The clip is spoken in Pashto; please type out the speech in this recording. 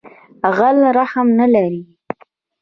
غل رحم نه لری